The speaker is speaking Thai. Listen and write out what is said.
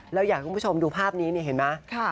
แล้วอยากให้คุณผู้ชมดูภาพนี้นี่เห็นไหม